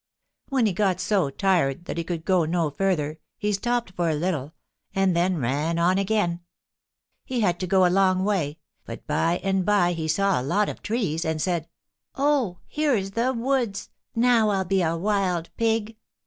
When he got so tired that he could go no further he stopped for a little, and then ran on again. [Illustration: "OH, HERE'S THE WOODS!"] He had to go a long way, but by and by he saw a lot of trees, and said, "Oh, here's the woods! Now I'll be a wild pig!"